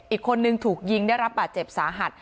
อีกคนนึงถูกยิงได้รับบาดเจ็บสาหัส